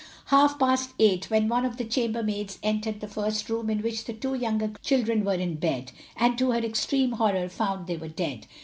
Half past eight, when one of the chambermaids entered the first room in which the two younger children were in bed, and to her extreme horror found they were dead.